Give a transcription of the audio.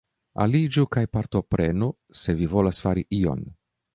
Aliĝu kaj partoprenu, se vi volas fari ion.